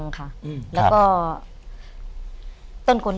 สวัสดีครับ